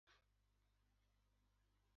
昆布じめにしたタイを蒸していただこう。